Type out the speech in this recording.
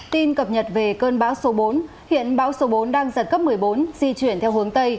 tin cập nhật về cơn bão số bốn hiện bão số bốn đang giật cấp một mươi bốn di chuyển theo hướng tây